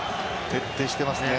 徹底していますね。